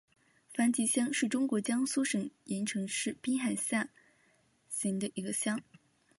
樊集乡是中国江苏省盐城市滨海县下辖的一个乡。